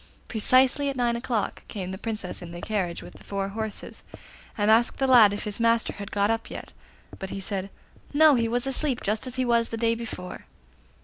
Precisely at nine o'clock came the Princess in the carriage with four horses, and asked the lad if his master had got up yet; but he said 'No, he was asleep, just as he was the day before.